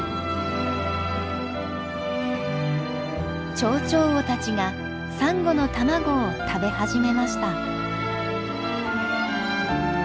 チョウチョウウオたちがサンゴの卵を食べ始めました。